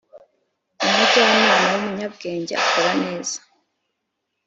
umujyanama w umunyabwenge akora neza